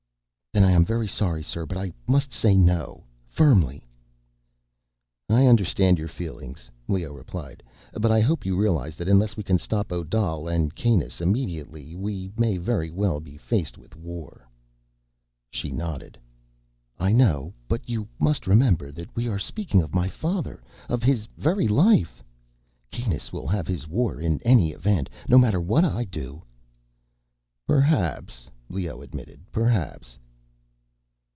"Then I am very sorry, sir, but I must say no." Firmly. "I understand your feelings," Leoh replied, "but I hope you realize that unless we can stop Odal and Kanus immediately, we may very well be faced with war." She nodded. "I know. But you must remember that we are speaking of my father, of his very life. Kanus will have his war in any event, no matter what I do." "Perhaps," Leoh admitted. "Perhaps."